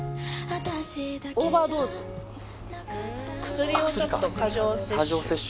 薬をちょっと過剰摂取。